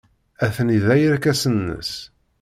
Atni da yerkasen-nnes.